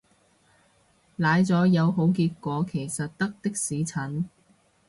奶咗有好結果其實得的士陳